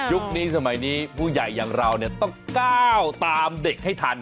นี้สมัยนี้ผู้ใหญ่อย่างเราต้องก้าวตามเด็กให้ทัน